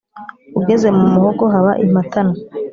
Ugeze mu muhogo haba impatanwa;